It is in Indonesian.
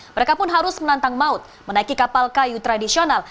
mereka pun harus menantang maut menaiki kapal kayu tradisional